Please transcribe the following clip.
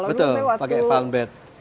betul pakai fan belt